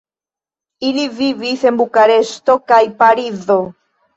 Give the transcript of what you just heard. Ili vivis en Bukareŝto kaj Parizo.